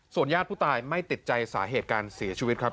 ญาติผู้ตายไม่ติดใจสาเหตุการเสียชีวิตครับ